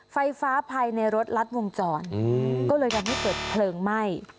ไฟฟ้าภายในรถลัดวงจรก็เลยทำให้เกิดเพลิงไหม้